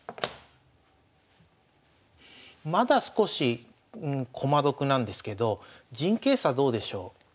まだ少し駒得なんですけど陣形差どうでしょう？